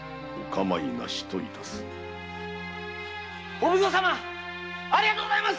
お奉行様ありがとうございます。